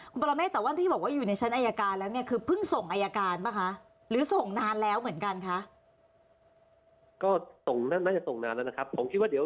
คุณประมาทแต่ว่าที่บอกว่าอยู่ในชั้นอายการแล้วเนี่ย